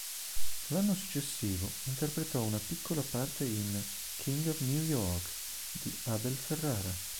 L'anno successivo interpretò una piccola parte in "King of New York", di Abel Ferrara.